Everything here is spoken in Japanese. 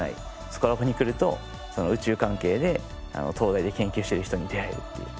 スコラボに来ると宇宙関係で東大で研究している人に出会えるっていう。